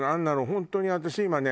本当に私今ね。